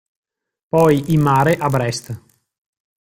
Poi in mare, a Brest.